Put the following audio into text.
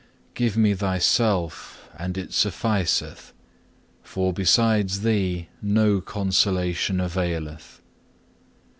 2. Give me Thyself and it sufficeth, for besides Thee no consolation availeth.